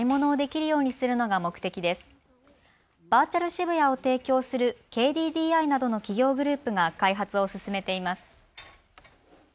渋谷を提供するＫＤＤＩなどの企業グループが開発を進めています。